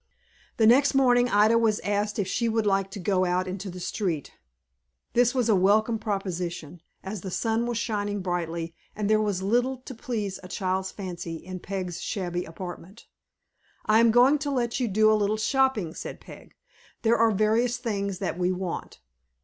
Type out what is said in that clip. The next morning Ida was asked if she would like to go out into the street. This was a welcome proposition, as the sun was shining brightly, and there was little to please a child's fancy in Peg's shabby apartment. "I am going to let you do a little shopping," said Peg. "There are various things that we want.